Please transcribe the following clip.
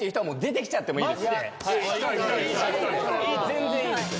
全然いいです。